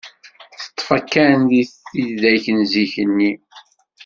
Teṭṭef kan di tidak n zik-nni.